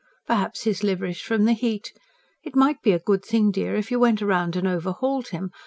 Perhaps he's liverish, from the heat. It might be a good thing, dear, if you went round and overhauled him.